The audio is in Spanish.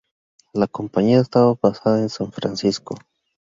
La compañía estaba basada en San Francisco.